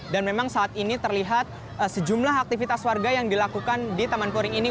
memang saat ini terlihat sejumlah aktivitas warga yang dilakukan di taman puring ini